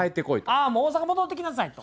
ああ大阪戻ってきなさいと。